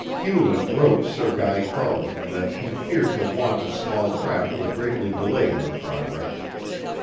Hewlett wrote Sir Guy Carleton that he feared the want of small craft would greatly delay their progress.